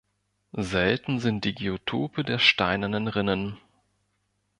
Selten sind die Geotope der Steinernen Rinnen.